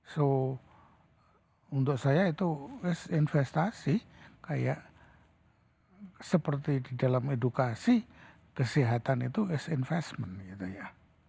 so untuk saya itu investasi kayak seperti di dalam edukasi kesehatan itu is investment gitu ya